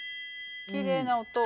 きれいな音。